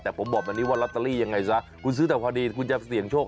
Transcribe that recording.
แต่ผมบอกว่ารัตเตอรี่ยังไงซะกูซื้อแต่พอดีกูจะเสี่ยงโชค